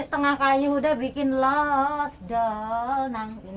setengah kayu udah bikin los doll